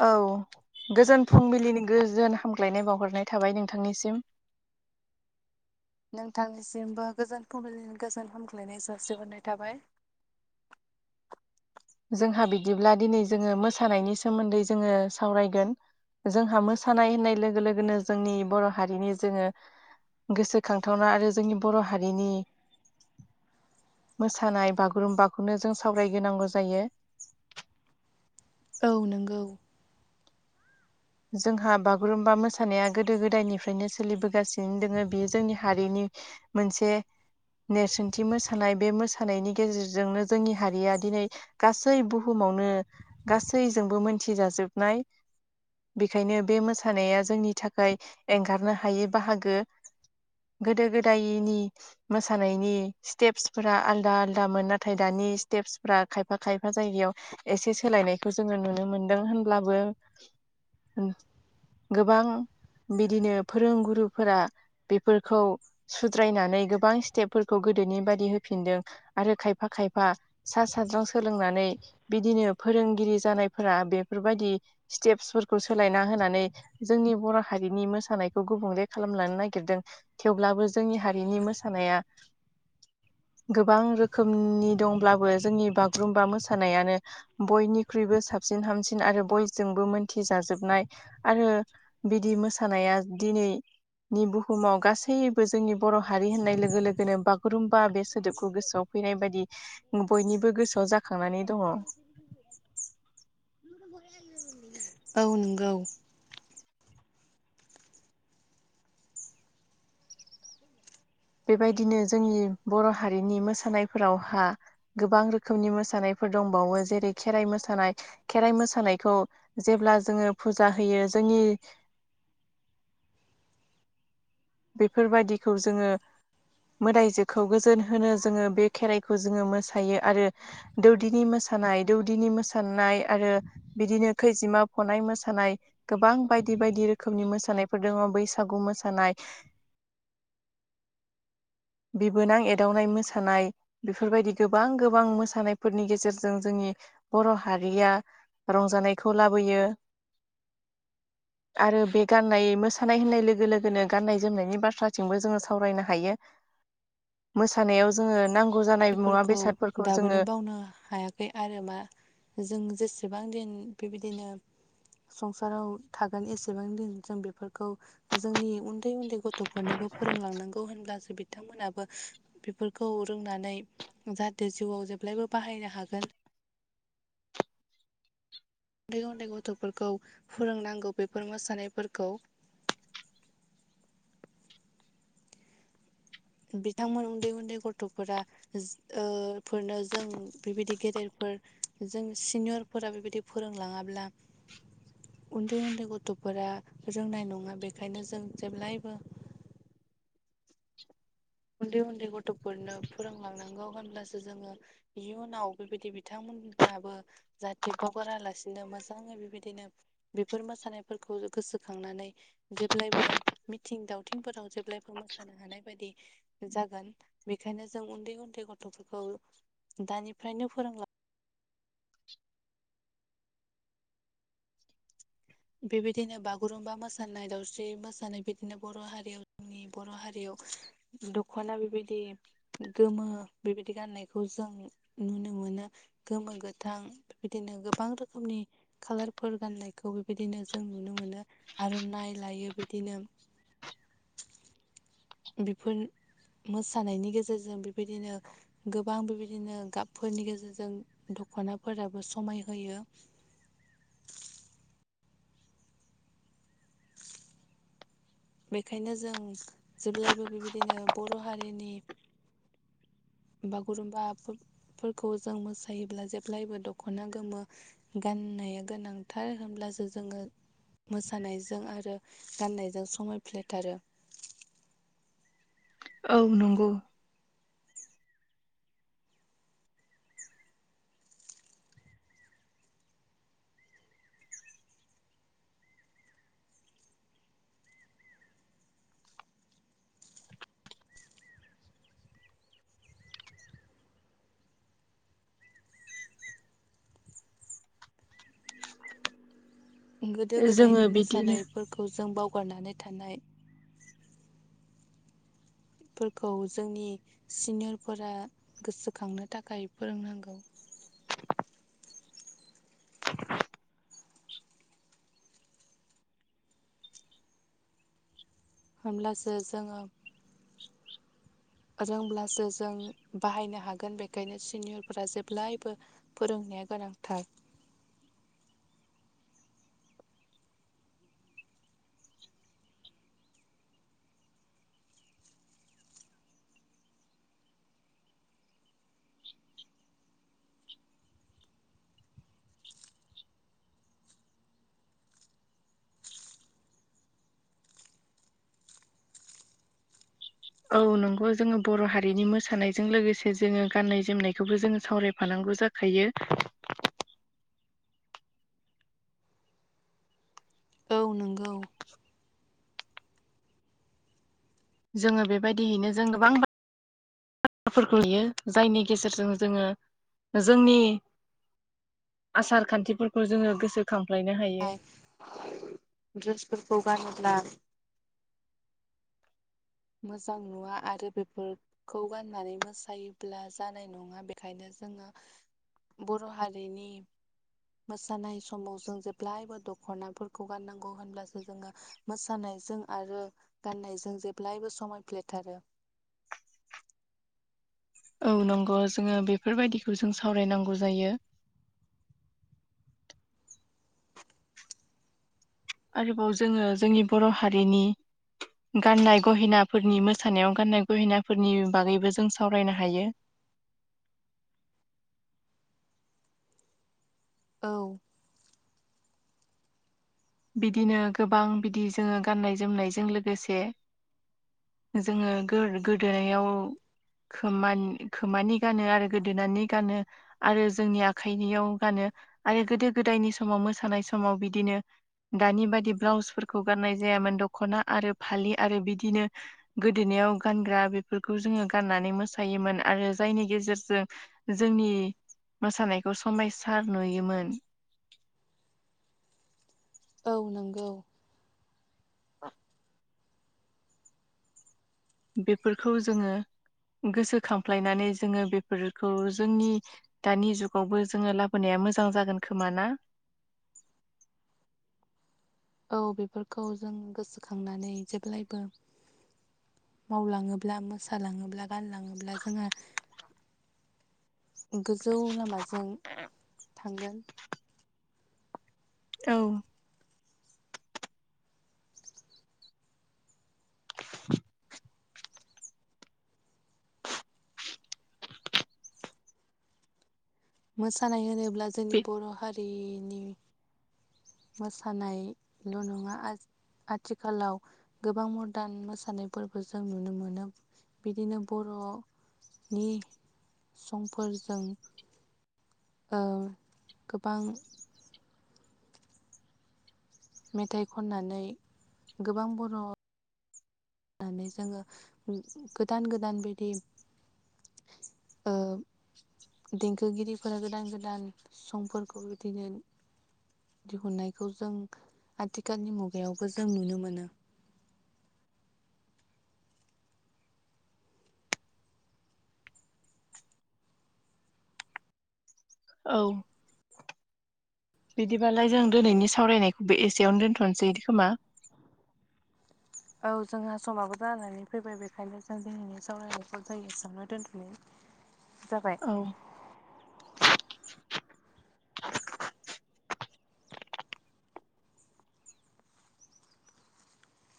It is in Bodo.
औ गोजोन फुंबिलिनि गोजोन हामग्लायनाय बावहरनाय थाबाय नोंथांनिसिम नोंथांनिसिमबो गोजोन फुंबिलिनि गोजोन हामग्लायनाय जासिहरनाय थाबाय। [inaudible] जोंहा बिदिब्ला दिनै जोङो मोसानायनि सोमोन्दै जोङो सावरायगोन। जोंहा मोसानाय होननाय लोगो लोगोनो जोंनि बर' हारिनि जोङो गोसोखांथावना आरो जोंनि बर' हारिनि। मोसानाय बागुरुम्बाखौनो जों सावरायग्रोनांगौ। जायो। औ नंगौ जोंहा बागुरुम्बा मोसानाया गोदो गोदायनिफ्रायनो सोलिबोगासिनो दोङ बियो जोंनि हारिनि। मोनसे नेरसोनथि मोसानाय बे मोसानायनि गेजेरजोंनो जोंनि हारिया दिनै गासै बुहुमाव नो गासैजोंबो मोनथिजाजोबनाय बेखायनो बे मोसानाया जोंनि थाखाय एंगारनो हायै बाहागो गोदो गोदायनि मोसानायनि स्टेप्सफोरा आलदा आलदामोन नाथाय दानि नि स्टेपसफ्रा खायफा खायफा जायगायाव एसे सोलायनायखौ जोङो नुनो मोनदों होनब्लाबो उम गोबां बिदिनो फोरोंगुरुफोरा बेफोरखौ सुद्रायनानै गोबां स्टेपफोरखौ गोदोनि बायदि होफिनदों आरो खायफा खायफा सा साज्रां सोलोंनानै बिदिनो फोरोंगिरि जानायफोरा बेफोरबायदि स्टेपसफोरखौ सोलायना होनानै जोंनि बर' हारिनि मोसानायखौ गुबुंले खालामलानो नागिरदों थेवब्लाबो जोंनि हारिनि मोसानाया [inaudible] गोबां रोखोमनि दंब्लाबो जोंनि बागुरुमबा मोसानायानो बयनिख्रुइबो साब सिन हामसिन आरो बय जोंबो मोनथि जाजोबनाय आरो बिदि मोसानाया दिनै नि बुहुम गा सैबो जोंनि बर' हारि होननाय लोगो लोगोनो बागुरुम्बा बे सोदोबखौ गोसोआव फैनाय बायदि बयनिबो गोसोआव जाखांनानै दङ औ नोंगौ बेबायदिनो जोंनि बर' हारिनि मोसानायफोरावहा गोबां रोखोमनि मोसानाय फोर दंबावो जेरै खेराइ मोसानाय खेराइ मोसानायखौ जेब्ला जोङो फुजा होयो जों नि [inaudible] बेफोरबायदिखौ जोङो मोदायजोखौ गोजोन होनो जोङो बे खेराइखौ जोङो मोसायो आरो दौदिनि मो मोसानाय दौदिनि मोसानाय आरो बिदिनो खैजिमा फनाय मोसानाय गोबां बाय दि बायदि रोखोमनि मोसानायफोर दङ बैसागु मोसानाय [inaudible] बिबोनां एदावनाय मोसानाय बेफोरबायदि गोबां गोबां मोसानायफोरनि गेजेरजों जोंनि बर' हारिया रंजानायखौ लाबोयो। [inaudible] आरो बे गाननाय मोसानाय होननाय लोगो लोगोनो गाननाय जोमनायनि बाथ्राथिंबो जोङो सावरायनो हायो मोसानायाव जोङो नां बेफोरखौ दाबोनो बावनो हायाखै आरो मा जों जेसे बां दिन बेबायदिनो संसाराव थागोन एसेबां दिन जों बेफोरखौ जोंनि उन्दै उन्दै ग थ'फोरनोबो फोरोंलांनांगौ होनब्लासो बिथांमोनहाबो बेफोरखौ रोंनानै जाहाथे जिउआव जेब्लायबो बाहायनो हागोन उन्दै उन्दै गथ'फोरखौ फोरोंनांगौ बेफोर मोसानायफोरखौ [inaudible] बिथांमोन उन्दै उन्दै गथ'फोरा फोरनो जों बेबायदि गेदेरफोर जों सिनियरफोरा बेबायदि फोरोंलाङाब्ला उन्दै उन्दै गथ'फोरा रोंनाय नङा बेखायनो जों जेब्लायबो [inaudible] उन्दै उन्दै गथ'फोरनो फोरोंलांनांगौ होनब्लासो जोङो इयुनाव बेबायदि बिथां मोनाबो जाहाथे बावगारालासिनो मोजाङै बेबायदिनो बेफोर मोसानायफोरखौ गोसोखांनानै जेब्लायबो मिथिं दावथिंफोराव जेब्लायबो मोसानो हानाय बायदि जागोन बेखायनो जों उन्दै उन्दै गथ'फोरखौ दानिफ्रायनो फोरोंला [inaudible] बेबायदिनो बागुरुमबा मोसानाय दाउस्रि मोसानाय बिदिनो बर' हारियाव जोंनि बर' हारियाव दख'ना बेबायदि गोमो बेबायदि गाननायखौ जों नुनो। मोनो गोमो गोथां बेबायदिनो गोबां रोखोमनि खाालारफोर गाननायखौ बिदिनो जों नुनो मोनो आरो नायलायो बिदिनो बेफोर मोसानायनि गेजेरजों बेबायदिनो गोबां बेबायदिनो गाबफोरनि गेजेरजों दख'नाफोराबो समाय होयो। बेखायनो जों जेब्लायबो बेबायदिनो बर' हारिनि बागुरुम्बाफोरखौ जों मोसायोब्ला जेब्लायबो दख'ना गोमो गान होननाया गोनांथार होनब्लासो जोङो मोसानायजों आरो गाननायजों समाय फ्लेथारो। औ नंगौ गोदो जोङो गोदायनि बिदिनो मोसानायफोरखौ जों बावगारनानै थानाय फोरखौ जोंनि सिनियरफोरा गोसोखांनो थाखाय फोरोंनांगौ। [inaudible] हामब्लासो जोङो रोंब्लासो जों बाहायनो हागोन बेखायनो सिनियरफोरा जेब्लायबो फोरों होनाया गोनांथार औ नंगौ जोङो बर' हारिनि मोसानायजों लोगोसे जोङो गाननाय जोमनायखौबो जोङो सावरायफानां गौ जाखायो। [inaudible] औ नंगौ जोङो बेबायदियैनो जों गोबां बा थ्राफोरखौ लायो [unintelligible] जायनि गेजेरजों जोङो जोंनि आसार खान्थिफोरखौ जोङो गोसोखां ड्रेसफोरखौ गानोब्ला मोजां नुवा आरो बेफोरखौ गाननानै मोसायोब्ला जानाय नङा। बेखायनो जोङो बर' हारिनि मोसानाय समाव जों जेब्लायबो दख'नाफोरखौ गाननांगौ होनब्लासो जोङो मोसानाय मोसानाय जों आरो गाननायजों जेब्लायबो समायफ्लेथारो। औ नंगौ जोङो बेफोरबायदिखौ जों सावरायनांगौ जायो। आरोबाव जोङो जोंनि बर' हारिनि गाननाय गहेनाफोरनि मोसानायाव गाननाय गहेनाफोरनि बागैबो जों सावरायनो हायो। [inaudible] औ बिदिनो गोबां बिदि जोङो गाननाय जोमनायजों लोगोसे जोङो गोदोनायाव खोमानि गानो आरो गोदोनानि गानो आरो जोंनि आखाइनियाव गानो आरो गोदो गोदायनि समाव मोसानाय समाव बिदिनो दानि बादि ब्लाउसफोरखौ गाननाय जायामोन दख'ना आरो फालि आरो बिदिनो गोदोनायाव गानग्रा बेफोरखौ जोङो गाननानै मोसायोमोन आरो जायनि गेजेरजों जोंनि मोसानायखौ समायसार नुयोमोन। औ नंगौ ब [unintelligible] बेफोरखौ जोङो गोसोखांफ्लायनानै जोङो बेफोरखौ जोंनि दानि जुगावबो जोङो लाबोनाया मोजां जागोन खोमा ना? [inaudible] औ बेफोरखौ जों गोसोखांनानै जेब्लायबो मावलाङोब्ला मोसालाङोब्ला गानलाङोब्ला जोङो गोजौ लामाजों थांगोन औ मोसानाय होनोब्ला जोंनि बे बर' हारिनि मोसानायल' नङा आ आथिखालाव गोबां मरदान मोसानायफोरबो जों नुनो मोनो बिदिनो बर'नि संफोरजों ओ गोबां मेथाइ खननानै गोबां बर' होननानै जोङो गोदान गोदान बिदि ओ देंखोगिरिफोरा गोदान गोदान संफोरखौ बिदिनो दिहुननायखौ जों आथिखालनि मुगायावबो जों नुनो मोनो [inaudible] औ बिदिबालाय जों दिनैनि सावरायनायखौबो एसेयावनो दोनथ'नोसै खोमा [inaudible] औ जोंहा समाबो जानानै फैबाय बेखायनो जों दिनैनि सावरायनायखौ जों इसेयावनो दोन्थ'नाय जाबाय औ